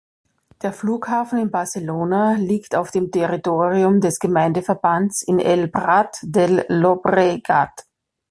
Der Flughafen Barcelona liegt auf dem Territorium des Gemeindeverbands in El Prat del Llobregat.